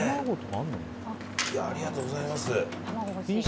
ありがとうございます。